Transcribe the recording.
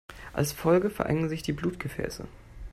Als Folge verengen sich die Blutgefäße.